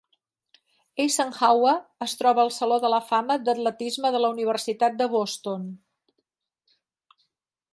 Eisenhauer es troba al Saló de la fama d'atletisme de la Universitat de Boston.